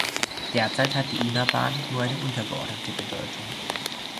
Derzeit hat die Una-Bahn nur eine untergeordnete Bedeutung.